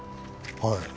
はい。